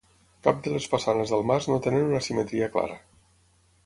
Cap de les façanes del mas no tenen una simetria clara.